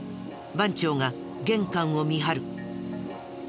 番長が玄関を見張る。